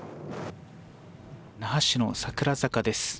那覇市の桜坂です。